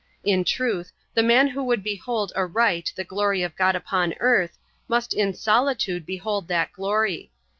In truth, the man who would behold aright the glory of God upon earth must in solitude behold that glory.